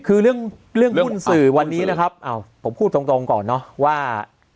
คือเรื่องหุ้นสื่อวันนี้นะครับอ้าวผมพูดตรงก่อนเนาะว่า